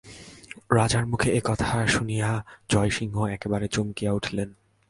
রাজার মুখে এই কথা শুনিয়া জয়সিংহ একেবারে চমকিয়া উঠিলেন।